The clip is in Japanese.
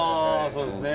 そうですね。